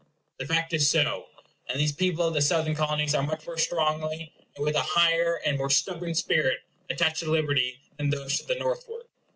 The fact is so; and these people of the Southern Colonies are much more strongly, and with an higher and more stubborn spirit, attached to liberty than those to the northward.